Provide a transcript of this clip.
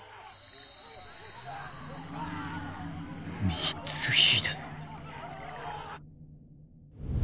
光秀。